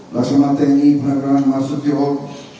laksamana tni penagrawan mas setiol